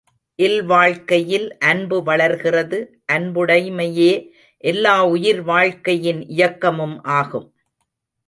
இல்வாழ்க்கையில் அன்பு வளர்கிறது அன்புடைமையே எல்லா உயிர்வாழ்க்கையின் இயக்கமும் ஆகும்.